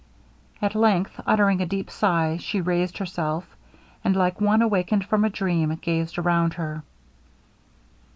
At length uttering a deep sigh, she raised herself, and, like one awakened from a dream, gazed around her.